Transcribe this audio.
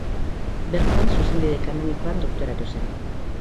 Bertan zuzenbide kanonikoan doktoratu zen.